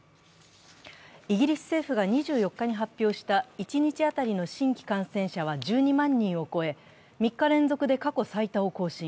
イギリス政府が２４日に発表した一日当たりの新規感染者は１２万人を超え３日連続で過去最多を更新。